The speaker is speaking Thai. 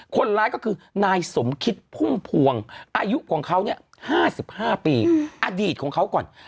คนร้ายก็คือนายสมคิดพุ่มพวงอายุของเขา๕๕ปีอดีตของเขาก่อน